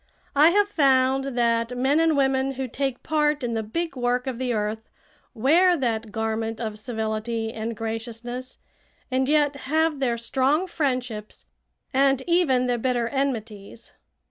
I have found that men and women who take part in the big work of the earth wear that garment of civility and graciousness, and yet have their strong friendships and even their bitter enmities.